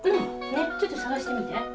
ねっちょっと捜してみて。